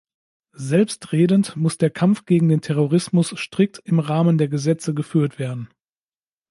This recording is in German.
Selbstredend muss der Kampf gegen den Terrorismus strikt im Rahmen der Gesetze geführt werden.